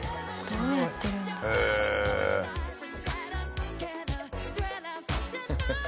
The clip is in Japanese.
どうやってるんだろう？ハハハ。